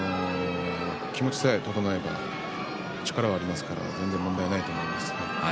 気持ちさえ整えば力はありますから全然問題ないと思います。